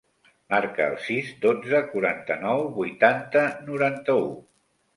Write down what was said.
Marca el sis, dotze, quaranta-nou, vuitanta, noranta-u.